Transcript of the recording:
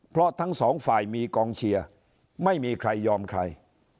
เพราะทั้งสองฝ่ายมีกองเชียร์ไม่มีใครยอมใคร